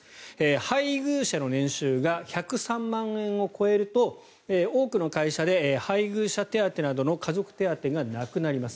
配偶者の年収が１０３万円を超えると多くの会社で配偶者手当などの家族手当がなくなります。